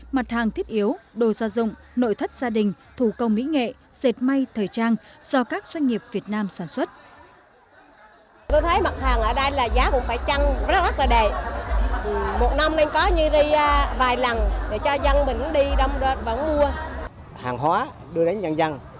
mặt hàng thiết yếu đồ dùng nội thất gia đình thủ công mỹ nghệ diệt may thời trang